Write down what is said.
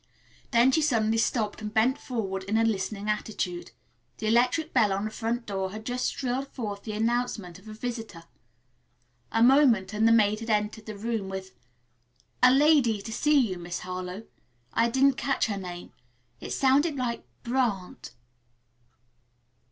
Then she suddenly stopped and bent forward in a listening attitude. The electric bell on the front door had just shrilled forth the announcement of a visitor. A moment and the maid had entered the room with, "A lady to see you, Miss Harlowe. I didn't catch her name. It sounded like Brant."